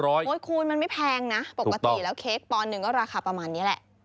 โอ๊ยคูณมันไม่แพงนะปกติแล้วเค้กปอนหนึ่งก็ราคาประมาณนี้แหละ